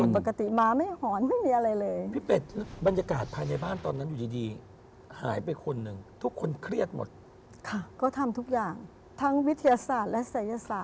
ปกติมาไม่หอนไม่มีอะไรเลย